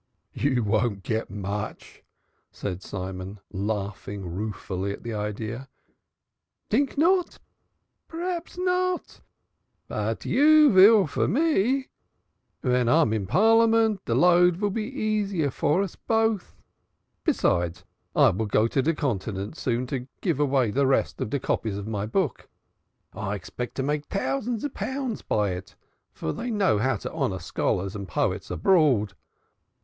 "You won't get much," said Simon, laughing ruefully at the idea. "Tink not? Praps not. But you vill for me. Ven I am in Parliament, de load vill be easier for us both. Besides I vill go to de Continent soon to give avay de rest of de copies of my book. I expect to make dousands of pounds by it for dey know how to honor scholars and poets abroad.